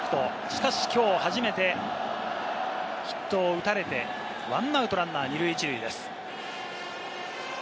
しかし、きょう初めてヒットを打たれて、１アウトランナー２塁１塁です。